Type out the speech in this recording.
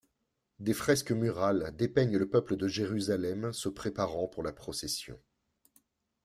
Des fresques murales dépeignent le peuple de Jérusalem se préparant pour la procession.